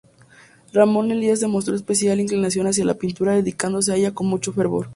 Ramón Elías demostró especial inclinación hacia la pintura, dedicándose a ella con mucho fervor.